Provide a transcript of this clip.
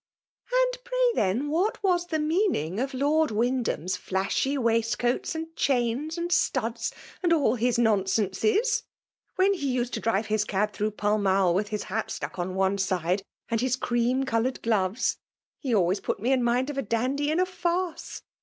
*' And pray then what was the meaning of Lord Wyndbam^s iSaahy waistcoats^andchains^ and studs, and all his nonsenses ?— ^Whed lie used to drive his cab through Pall Mali with his hat stuck on one side, and his cream* coloured gloves^ — he always put me in mind of a dandy in a farce.